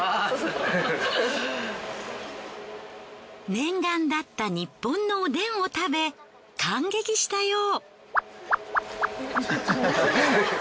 念願だったニッポンのおでんを食べ感激したよう。